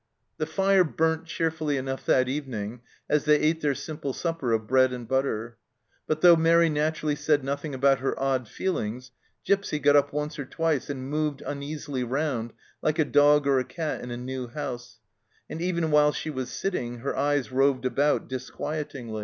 The fire burnt cheerfully enough that evening as they ate their simple supper of bread and butter, but though Mairi naturally said nothing about her odd feelings, Gipsy got up once or twice and moved uneasily round like a dog or a cat in a new house, and even while she was sitting her eyes roved about disquietingly.